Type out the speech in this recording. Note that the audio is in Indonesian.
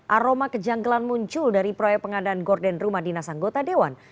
aroma kejanggelan muncul dari proyek pengadaan gordon rumah dinasanggota dewan